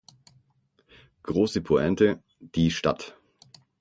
Grosse Pointe ("die Stadt").